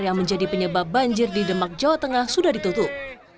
yang menjadi penyebab banjir di demak jawa tengah sudah ditutup